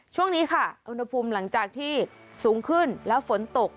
ช่วงนี้ค่ะอุณหภูมิหลังจากที่สูงขึ้นแล้วฝนตก